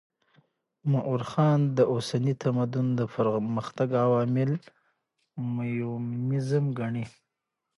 مؤرخان د اوسني تمدن د پرمختګ عوامل هیومنيزم ګڼي.